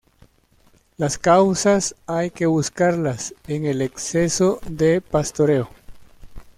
Las causas hay que buscarlas en el exceso de pastoreo.